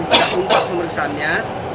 tidak tumpas pemeriksaannya